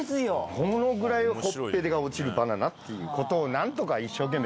そのぐらいほっぺが落ちるバナナっていうことを何とか。